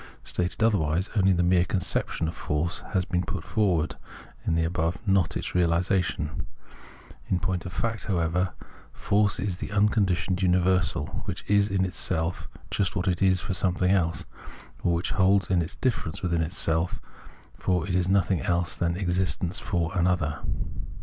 Stated otherwise, only the mere conception of force has been put forward in the above, not its reahsation. In point of fact, however, force is the rmconditioned universal, which is in itself just what it is for something else, or which holds its difference within itself — for it is nothing else than existence for an other.